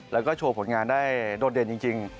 แล้วก็โชว์ผลงานได้โดดเด่นจริง